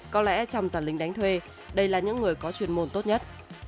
có lẽ trong giảm lính đánh thuê đây là những người có chuyên môn tốt nhất